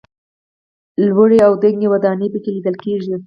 لوړې او دنګې ودانۍ په کې لیدل کېږي.